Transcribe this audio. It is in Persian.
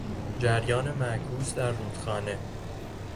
جریان معکوس در رودخانه